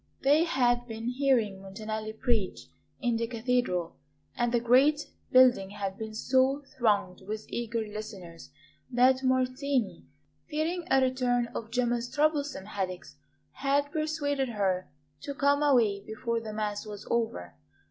They had been hearing Montanelli preach in the Cathedral; and the great building had been so thronged with eager listeners that Martini, fearing a return of Gemma's troublesome headaches, had persuaded her to come away before the Mass was over.